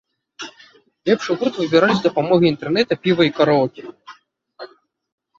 Лепшы гурт выбіралі з дапамогай інтэрнэта, піва і караоке.